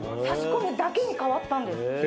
差し込むだけに変わったんです。